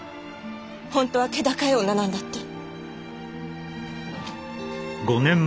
本当は気高い女なんだって。